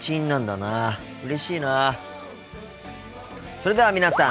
それでは皆さん